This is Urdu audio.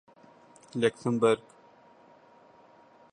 لکسمبرگ